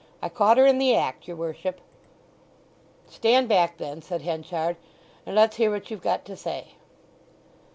—I caught her in the act, your worship." "Stand back then," said Henchard, "and let's hear what you've got to say."